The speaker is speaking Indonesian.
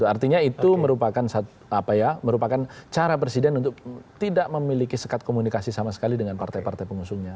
artinya itu merupakan cara presiden untuk tidak memiliki sekat komunikasi sama sekali dengan partai partai pengusungnya